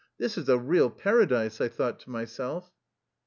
"This is a real paradise," I thought to myself.